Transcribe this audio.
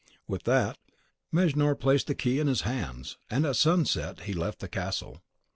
With that, Mejnour placed the key in his hands; and at sunset he left the castle.